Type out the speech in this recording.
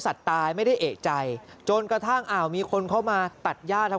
ตายไม่ได้เอกใจจนกระทั่งอ่าวมีคนเข้ามาตัดย่าครับ